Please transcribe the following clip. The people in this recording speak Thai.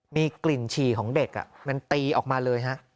มีกลิ่นฉี่ของเด็กมันตีออกมาเลยฮะ